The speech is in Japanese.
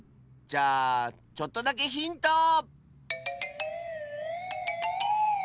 じゃあちょっとだけヒント！